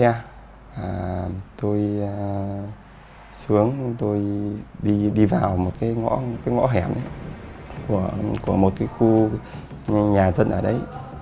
nhà tôi xuống tôi đi vào một cái ngõ hẻm của một cái khu nhà dân ở đấy